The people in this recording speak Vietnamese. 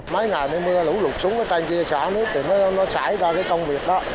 mấy ngày mưa lũ lụt xuống cái tay kia xả nước thì nó xảy ra cái công việc đó